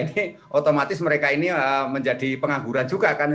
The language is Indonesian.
ini otomatis mereka ini menjadi pengangguran juga kan